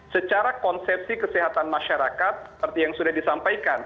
secara konsepsi kesehatan masyarakat seperti yang sudah disampaikan